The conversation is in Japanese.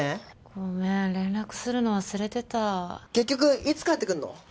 ごめん連絡するの忘れてた結局いつ帰ってくんの？